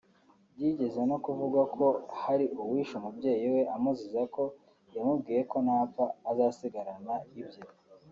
Byigeze no kuvugwa ko hari uwishe umubyezi we amuziza ko yamubwiye ko napfa azasigarana ibye